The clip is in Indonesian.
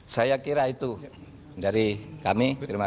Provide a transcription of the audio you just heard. saya kira itu dari kami terima kasih